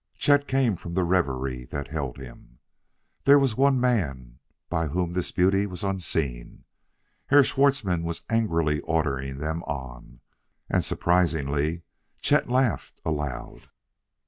Chet came from the reverie that held him. There was one man by whom this beauty was unseen. Herr Schwartzmann was angrily ordering them on, and, surprisingly, Chet laughed aloud.